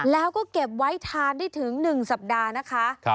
แล้วก็เก็บไว้ทานได้ถึง๑สัปดาห์นะคะ